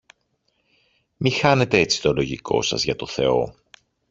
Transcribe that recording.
μη χάνετε έτσι το λογικό σας, για το Θεό!